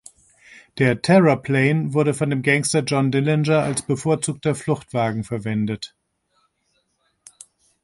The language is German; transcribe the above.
Der Terraplane wurde von dem Gangster John Dillinger als bevorzugter Fluchtwagen verwendet.